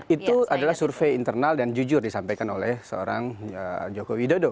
itu adalah survei internal dan jujur disampaikan oleh seorang joko widodo